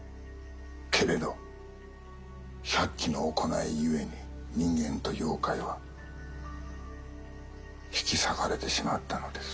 けれど百鬼の行いゆえに人間と妖怪は引き裂かれてしまったのです。